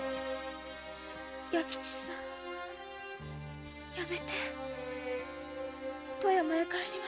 弥吉さんやめて富山へ帰りましょう。